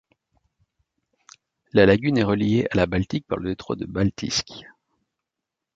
La lagune est reliée à la Baltique par le détroit de Baltiisk.